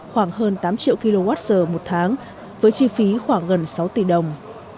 khoảng hơn tám triệu kwh một tháng với chi phí khoảng gần sáu tỷ đồng